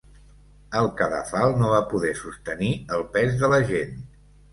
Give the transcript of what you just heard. El cadafal no va poder sostenir el pes de la gent.